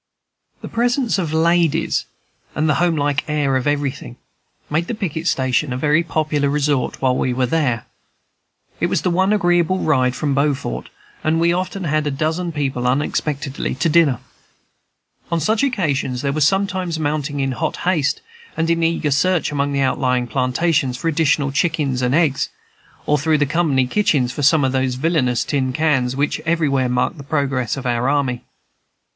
The presence of ladies and the homelike air of everything, made the picket station a very popular resort while we were there. It was the one agreeable ride from Beaufort, and we often had a dozen people unexpectedly to dinner. On such occasions there was sometimes mounting in hot haste, and an eager search among the outlying plantations for additional chickens and eggs, or through the company kitchens for some of those villanous tin cans which everywhere marked the progress of our army.